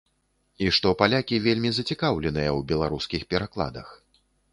І што палякі вельмі зацікаўленыя ў беларускіх перакладах.